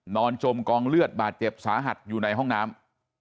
จมกองเลือดบาดเจ็บสาหัสอยู่ในห้องน้ำ